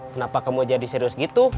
kenapa kamu jadi serius gitu